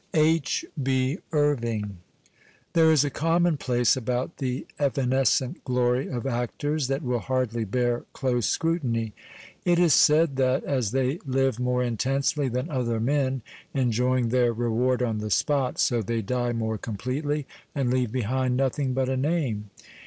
H)> H. B. IRVING There is a commonplace about the evanescent glory of actors that will hardly bear close scrutiny. It is said that, as they live more intensely than other men, enjoying their reward on the spot, so they die more completely, and leave behind nothing but a name.